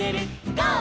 「ゴー！